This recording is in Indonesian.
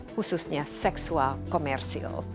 khususnya seksual komersil